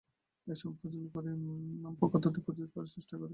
এ সময় ফজলুল করিম পক্ষ তাঁদের প্রতিরোধ করার চেষ্টা করে।